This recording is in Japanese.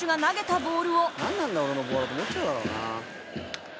「なんなんだ俺のボールと思っちゃうだろうな」